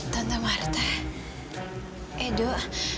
tante silahkan duduk